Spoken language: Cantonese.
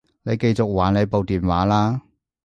你繼續玩你部電話啦